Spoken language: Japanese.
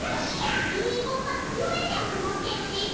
ドリーミーコンパスはゆめちゃんが持ってるです。